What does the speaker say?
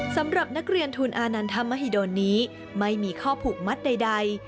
สำหรับนักเรียนทุนอานันทมหิดลนี้ไม่มีข้อผูกมัดใด